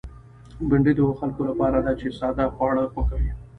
بېنډۍ د هغو خلکو لپاره ده چې ساده خواړه خوښوي